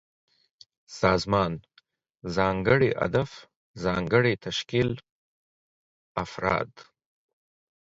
سازمان: ځانګړی هدف، ځانګړی تشکيل ، افراد